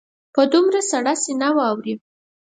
په دومره سړه سینه واوري.